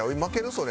それ。